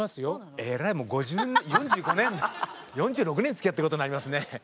えらいもう４６年つきあってることになりますね。